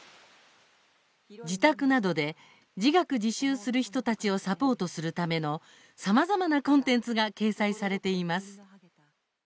自宅などで自学・自習する人たちをサポートするためのさまざまなコンテンツが掲載されています。